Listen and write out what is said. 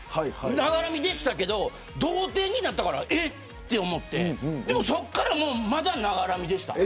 ながら見でしたけど同点になったから、えって思ってそこから、またながら見でした。